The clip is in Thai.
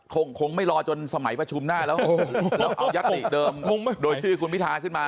คงไม่รอจนสมัยประชุมหน้าแล้วเอายัตติเดิมโดยชื่อคุณพิทาขึ้นมา